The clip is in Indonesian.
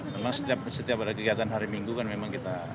memang setiap ada kegiatan hari minggu kan memang kita